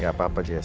gak apa apa jess